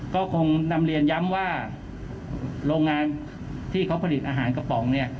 ก็คงนำเรียนย้ำว่าโรงงานที่เขาผลิตอาหารกระป๋องเนี่ย